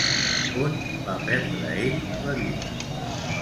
On va perdre ell la vida?